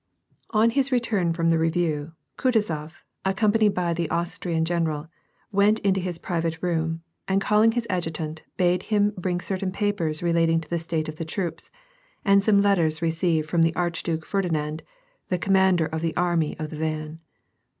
On his return from the review, Kutuzof, accompanied by the Austrian general, went into his private room and calling his adjutant bade him bring certain papers relating to the state of the troops, and some letters received from the Archduke Ferdinand, the commander of the army of the van.